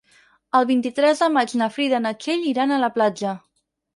El vint-i-tres de maig na Frida i na Txell iran a la platja.